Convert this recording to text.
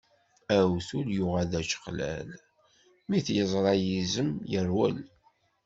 Awtul yuɣal d ačeqlal, mi t-yeẓra yizem, yerwel.